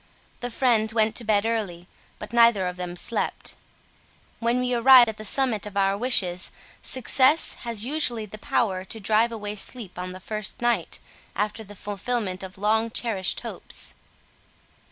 The friends went to bed early, but neither of them slept. When we arrive at the summit of our wishes, success has usually the power to drive away sleep on the first night after the fulfilment of long cherished hopes.